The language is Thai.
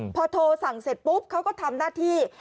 พอโทรสั่งเสร็จปุ๊บเขาก็ทำหน้าที่